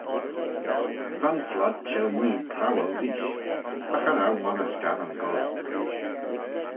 Va'n flod cheu-mooie prowal reesht, agh cha row monney scaddan goll.